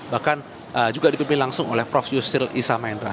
bahkan juga dipimpin langsung oleh prof yusril isa maendra